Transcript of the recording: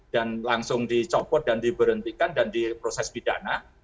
dan langsung dicopot dan diberhentikan dan diproses bidana